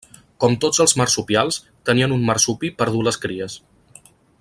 Com tots els marsupials, tenien un marsupi per dur les cries.